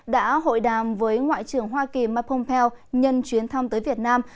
đã hội đàm với ngoại trưởng hoa kỳ mike pompeo nhân chuyến thăm tới việt nam